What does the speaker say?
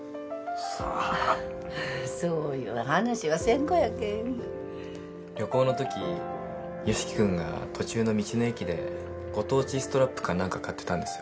さあそういう話はせん子やけん旅行のとき由樹君が途中の道の駅でご当地ストラップか何か買ってたんですよ